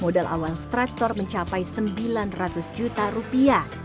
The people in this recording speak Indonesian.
modal awal strip store mencapai sembilan ratus juta rupiah